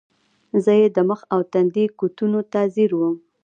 زۀ ئې د مخ او تندي کوتونو ته زیر ووم ـ